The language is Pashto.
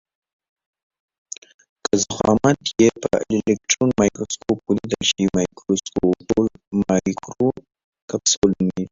که ضخامت یې په الکټرون مایکروسکوپ ولیدل شي مایکروکپسول نومیږي.